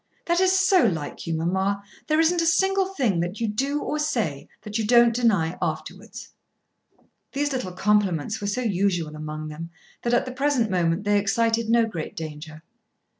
"That is so like you, mamma. There isn't a single thing that you do or say that you don't deny afterwards." These little compliments were so usual among them that at the present moment they excited no great danger.